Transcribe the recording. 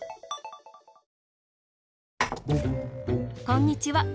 こんにちは。